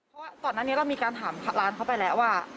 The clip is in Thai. เพราะก่อนหน้านี้เรามีการถามร้านเขาไปแล้วว่า